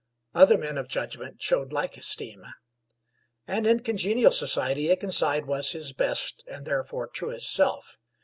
Other men of judgment showed like esteem. And in congenial society, Akenside was his best and therefore truest self.